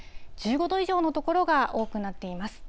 １５度以上の所が多くなっています。